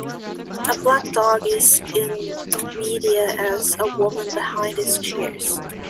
A black dog is in midair as a woman behind it cheers.